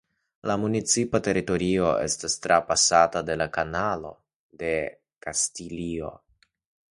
La municipa teritorio estas trapasata de la Kanalo de Kastilio.